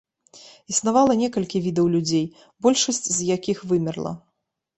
Існавала некалькі відаў людзей, большасць з якіх вымерла.